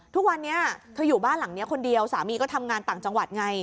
ทุกวันนี้เธออยู่บ้านหลังนี้คนเดียวสามีก็ทำงานต่างจังหวัดไง